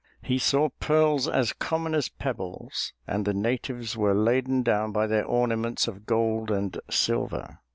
He saw pearls as common as pebbles, and the natives were laden down by their ornaments of gold and silver.